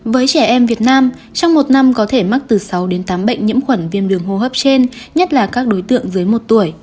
với trẻ em việt nam trong một năm có thể mắc từ sáu đến tám bệnh nhiễm khuẩn viêm đường hô hấp trên nhất là các đối tượng dưới một tuổi